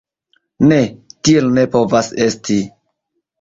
Ne, tiel ne povas esti!